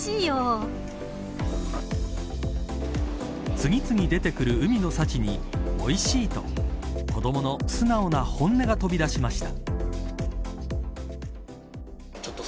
次々出てくる海の幸においしいと子どもの素直な本音が飛び出しました。